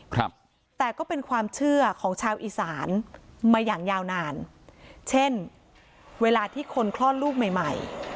ครับแต่ก็เป็นความเชื่อของชาวอีสานมาอย่างยาวนานเช่นเวลาที่คนคลอดลูกใหม่ใหม่